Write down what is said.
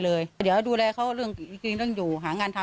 ได้เดี๋ยวดูแลดูแลกันไป